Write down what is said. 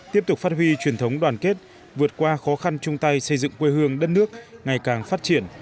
tiếp tục phát huy truyền thống đoàn kết vượt qua khó khăn chung tay xây dựng quê hương đất nước ngày càng phát triển